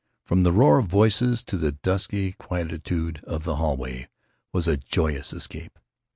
From the roar of voices to the dusky quietude of the hallway was a joyous escape.